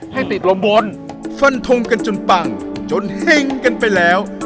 ให้ติดลมบนฟันทงกันจนปังจนเฮ่งกันไปแล้ว